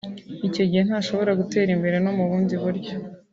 icyo gihe ntashobora gutera imbere no mu bundi buryo